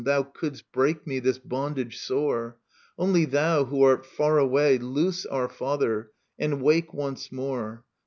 Thou couldst break me this bondage sore, Only thou, who art hx away, Loose our father, and wake once more.